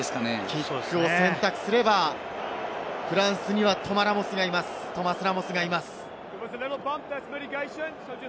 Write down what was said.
キックを選択すれば、フランスにはトマ・ラモスがいます。